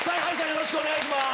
よろしくお願いします。